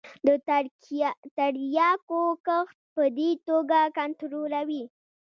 د تریاکو کښت په دې توګه کنترولوي.